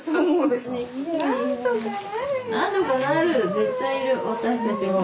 絶対いる私たちも。